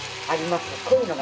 あります。